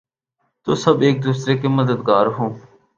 تو سب ایک دوسرے کے مددگار ہوں۔